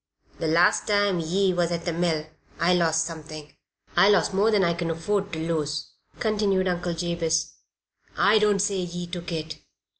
"The last time ye was at the mill I lost something I lost more than I kin afford to lose again," continued Uncle Jabez. "I don't say ye took it.